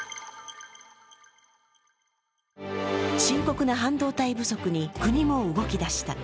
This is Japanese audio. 深刻な半導体不足に国も動きだした。